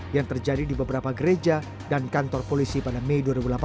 yang terjadi di beberapa gereja dan kantor polisi pada mei dua ribu delapan belas